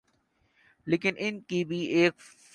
لیکن ان کی بھی ایک فلم